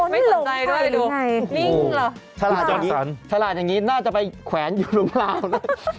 ไม่สนใจด้วยนิ่งเหรอชาลาดอย่างนี้น่าจะไปแขวนอยู่ด้านข้าง